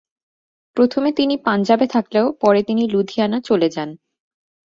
প্রথমে তিনি পাঞ্জাবে থাকলেও পরে তিনি লুধিয়ানা চলে যান।